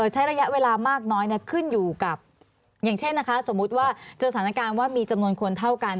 ใช้ระยะเวลามากน้อยขึ้นอยู่กับอย่างเช่นนะคะสมมุติว่าเจอสถานการณ์ว่ามีจำนวนคนเท่ากัน